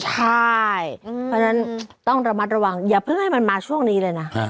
ใช่เพราะฉะนั้นต้องระมัดระวังอย่าเพิ่งให้มันมาช่วงนี้เลยนะ